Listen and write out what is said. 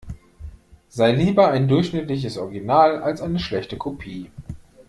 Sei lieber ein durchschnittliches Original als eine schlechte Kopie.